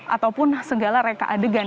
ataupun segala reka adegan